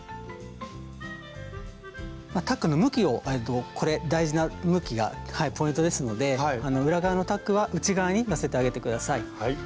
タックの向きをこれ大事な向きがポイントですので裏側のタックは内側に寄せてあげて下さい。